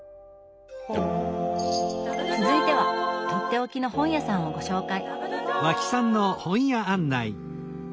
続いてはとっておきの本屋さんをご紹介。